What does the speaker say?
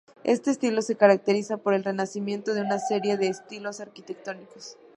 Este estilo se caracteriza por el renacimiento de una serie de estilos arquitectónicos.